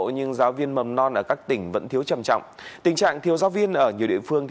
nhưng giáo viên mầm non ở các tỉnh vẫn thiếu trầm trọng tình trạng thiếu giáo viên ở nhiều địa phương